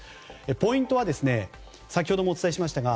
ポイントは、先ほどもお伝えしましたが